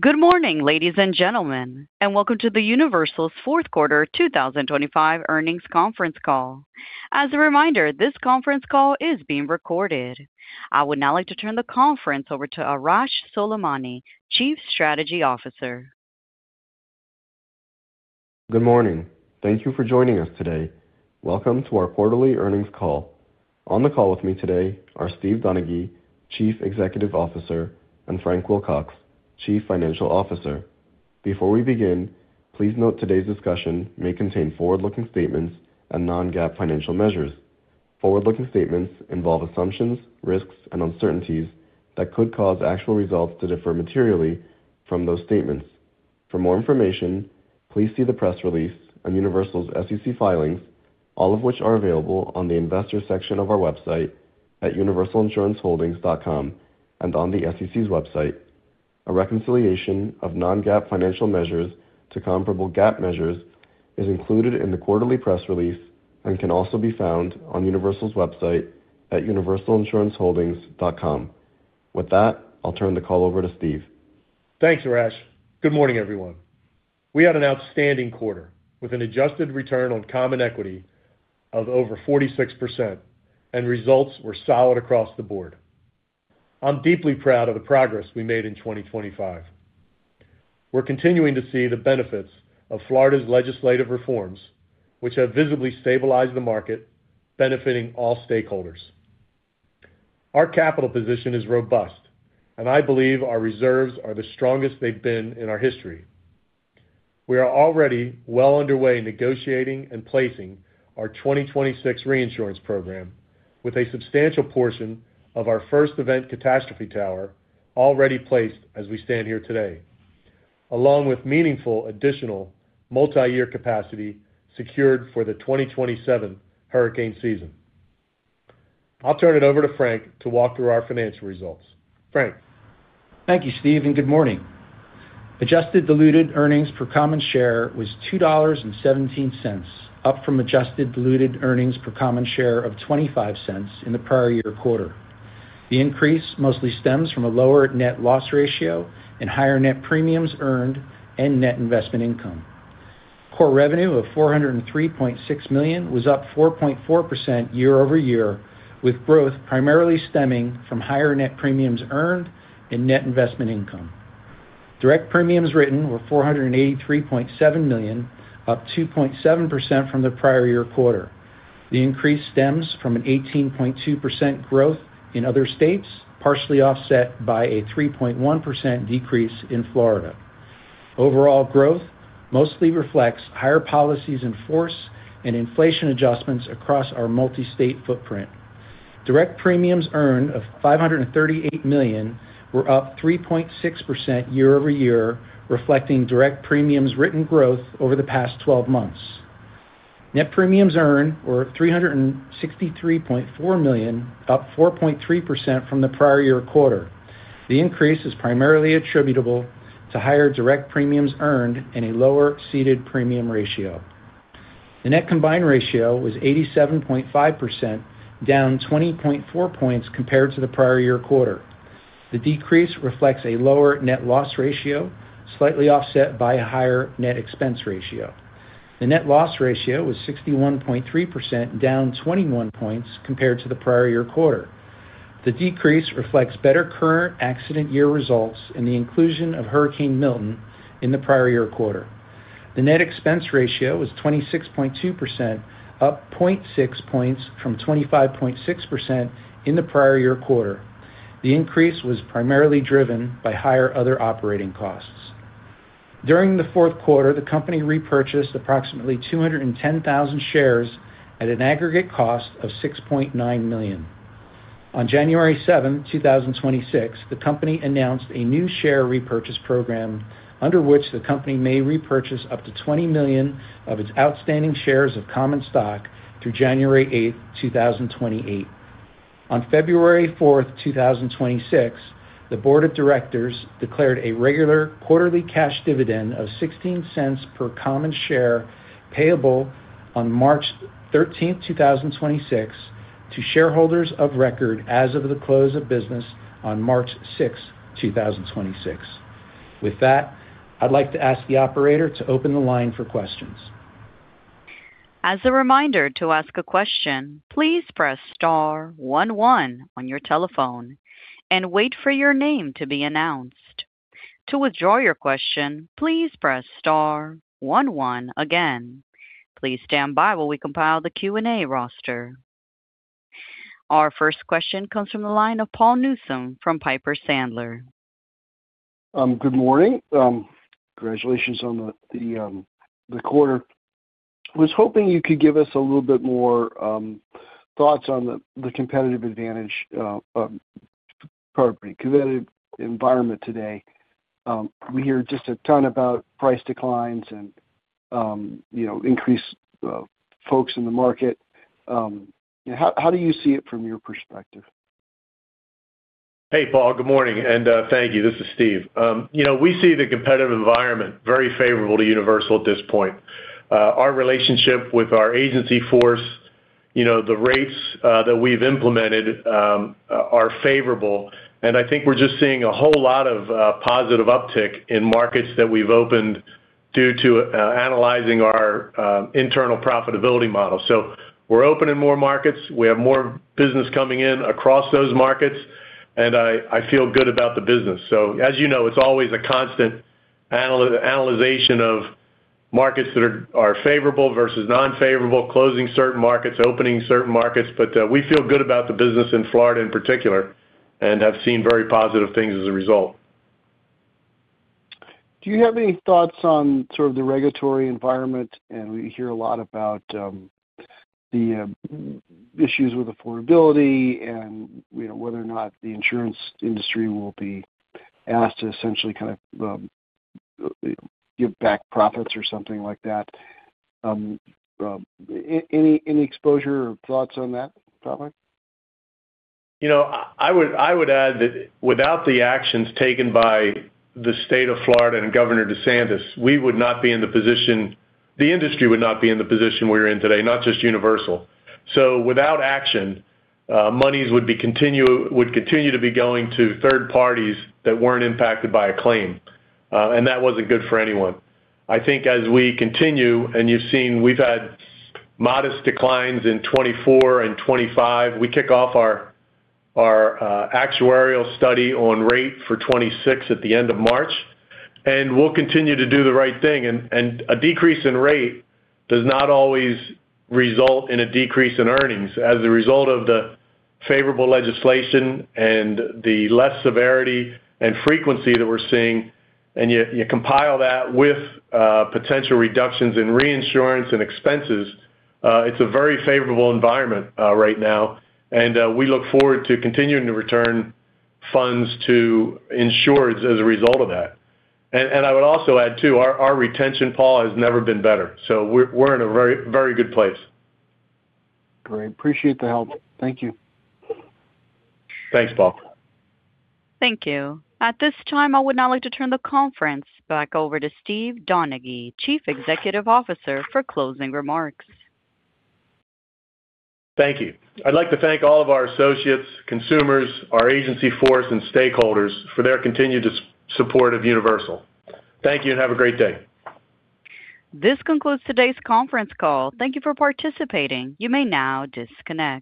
Good morning, ladies and gentlemen, and welcome to the Universal's fourth quarter, 2025 earnings conference call. As a reminder, this conference call is being recorded. I would now like to turn the conference over to Arash Soleimani, Chief Strategy Officer. Good morning. Thank you for joining us today. Welcome to our quarterly earnings call. On the call with me today are Steve Donaghy, Chief Executive Officer, and Frank Wilcox, Chief Financial Officer. Before we begin, please note today's discussion may contain forward-looking statements and non-GAAP financial measures. Forward-looking statements involve assumptions, risks, and uncertainties that could cause actual results to differ materially from those statements. For more information, please see the press release on Universal's SEC filings, all of which are available on the Investor section of our website at universalinsuranceholdings.com and on the SEC's website. A reconciliation of non-GAAP financial measures to comparable GAAP measures is included in the quarterly press release and can also be found on Universal's website at universalinsuranceholdings.com. With that, I'll turn the call over to Steve. Thanks, Arash. Good morning, everyone. We had an outstanding quarter with an adjusted return on common equity of over 46%. Results were solid across the board. I'm deeply proud of the progress we made in 2025. We're continuing to see the benefits of Florida's legislative reforms, which have visibly stabilized the market, benefiting all stakeholders. Our capital position is robust. I believe our reserves are the strongest they've been in our history. We are already well underway in negotiating and placing our 2026 reinsurance program, with a substantial portion of our first event catastrophe tower already placed as we stand here today, along with meaningful additional multiyear capacity secured for the 2027 hurricane season. I'll turn it over to Frank to walk through our financial results. Frank? Thank you, Steve. Good morning. Adjusted diluted earnings per common share was $2.17, up from adjusted diluted earnings per common share of $0.25 in the prior year quarter. The increase mostly stems from a lower net loss ratio and higher net premiums earned and net investment income. Core revenue of $403.6 million was up 4.4% year-over-year, with growth primarily stemming from higher net premiums earned and net investment income. Direct premiums written were $483.7 million, up 2.7% from the prior year quarter. The increase stems from an 18.2% growth in other states, partially offset by a 3.1% decrease in Florida. Overall growth mostly reflects higher policies in force and inflation adjustments across our multi-state footprint. Direct premiums earned of $538 million were up 3.6% year-over-year, reflecting direct premiums written growth over the past 12 months. Net premiums earned were $363.4 million, up 4.3% from the prior year quarter. The increase is primarily attributable to higher direct premiums earned and a lower ceded premium ratio. The net combined ratio was 87.5%, down 20.4 points compared to the prior year quarter. The decrease reflects a lower net loss ratio, slightly offset by a higher net expense ratio. The net loss ratio was 61.3%, down 21 points compared to the prior year quarter. The decrease reflects better current accident year results and the inclusion of Hurricane Milton in the prior year quarter. The net expense ratio was 26.2%, up 0.6 points from 25.6% in the prior year quarter. The increase was primarily driven by higher other operating costs. During the fourth quarter, the company repurchased approximately 210,000 shares at an aggregate cost of $6.9 million. On January 7, 2026, the company announced a new share repurchase program, under which the company may repurchase up to $20 million of its outstanding shares of common stock through January 8, 2028. On February 4, 2026, the board of directors declared a regular quarterly cash dividend of $0.16 per common share, payable on March 13, 2026, to shareholders of record as of the close of business on March 6, 2026. With that, I'd like to ask the operator to open the line for questions. As a reminder, to ask a question, please press star one one on your telephone and wait for your name to be announced. To withdraw your question, please press star one one again. Please stand by while we compile the Q&A roster. Our first question comes from the line of Paul Newsome from Piper Sandler. Good morning. Congratulations on the quarter. Was hoping you could give us a little bit more thoughts on the competitive advantage, pardon me, competitive environment today. We hear just a ton about price declines and, you know, increased folks in the market. How do you see it from your perspective? Hey, Paul, good morning and thank you. This is Steve. You know, we see the competitive environment very favorable to Universal at this point. Our relationship with our agency force. You know, the rates that we've implemented are favorable, and I think we're just seeing a whole lot of positive uptick in markets that we've opened due to analyzing our internal profitability model. We're opening more markets. We have more business coming in across those markets, and I feel good about the business. As you know, it's always a constant analization of markets that are favorable versus non-favorable, closing certain markets, opening certain markets. We feel good about the business in Florida in particular, and have seen very positive things as a result. Do you have any thoughts on sort of the regulatory environment? We hear a lot about the issues with affordability and, you know, whether or not the insurance industry will be asked to essentially kind of give back profits or something like that. Any exposure or thoughts on that topic? You know, I would add that without the actions taken by the State of Florida and Governor DeSantis, the industry would not be in the position we're in today, not just Universal. Without action, monies would continue to be going to third parties that weren't impacted by a claim. That wasn't good for anyone. I think as we continue and you've seen, we've had modest declines in 2024 and 2025. We kick off our actuarial study on rate for 2026 at the end of March. We'll continue to do the right thing. A decrease in rate does not always result in a decrease in earnings. As a result of the favorable legislation and the less severity and frequency that we're seeing, and you compile that with potential reductions in reinsurance and expenses, it's a very favorable environment right now, and we look forward to continuing to return funds to insurers as a result of that. I would also add, too, our retention, Paul, has never been better, so we're in a very, very good place. Great. Appreciate the help. Thank you. Thanks, Paul. Thank you. At this time, I would now like to turn the conference back over to Steve Donaghy, Chief Executive Officer, for closing remarks. Thank you. I'd like to thank all of our associates, consumers, our agency force, and stakeholders for their continued support of Universal. Thank you, and have a great day. This concludes today's conference call. Thank you for participating. You may now disconnect.